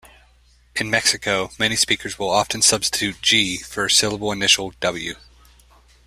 In Mexico, many speakers will often substitute "g" for syllable-initial "w".